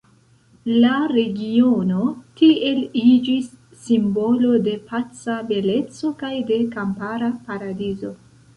La regiono tiel iĝis simbolo de paca beleco kaj de kampara paradizo.